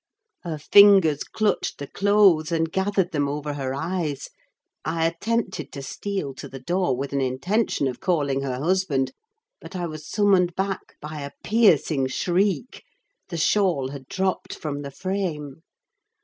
Her fingers clutched the clothes, and gathered them over her eyes. I attempted to steal to the door with an intention of calling her husband; but I was summoned back by a piercing shriek—the shawl had dropped from the frame.